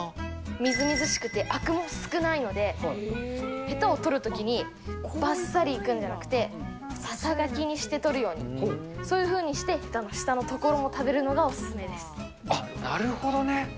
みずみずしくてあくも少ないので、へたを取るときにばっさりいくんじゃなくて、ささがきにして取るように、そういうふうにして、下の所も食あっ、なるほどね。